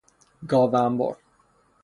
گاو عنبر